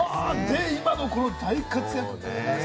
今のこの大活躍ね。